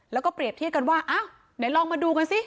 แล้วก็เปรียบเทียบกันว่าอ้าวไหนลองมาดูกันสิ